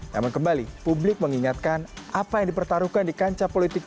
namun kembali publik mengingatkan apa yang dipertaruhkan di kancah politik